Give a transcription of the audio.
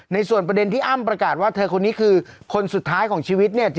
ในส่วนประเด็นที่อ้ำประกาศว่าเธอคนนี้คือคนสุดท้ายของชีวิตเนี่ย